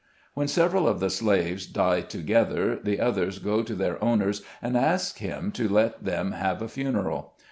When several of the slaves die together, the others go to their owner, and ask him to let them have a funeral.